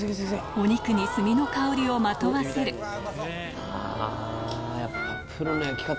お肉に炭の香りをまとわせるあぁやっぱ。